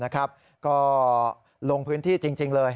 ก็ลงพื้นที่จริงเลย